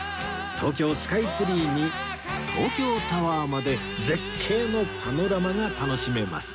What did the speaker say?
東京スカイツリーに東京タワーまで絶景のパノラマが楽しめます